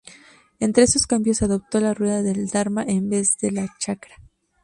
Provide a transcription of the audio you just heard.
Entre esos cambios se adoptó la Rueda del dharma en vez de la Chakra.